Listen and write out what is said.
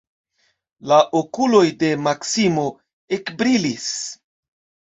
La okuloj de Maksimo ekbrilis.